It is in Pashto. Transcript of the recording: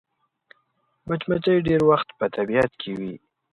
مچمچۍ ډېری وخت په طبیعت کې وي